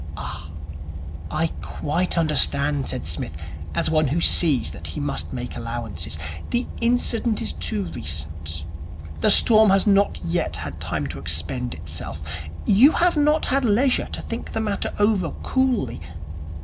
'Ah, I quite understand,' said Psmith, as one who sees that he must make allowances. 'The incident is too recent. The storm has not yet had time to expend itself. You have not had leisure to think the matter over coolly.